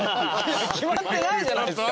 決まってないじゃないですか。